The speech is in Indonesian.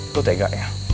lo tega ya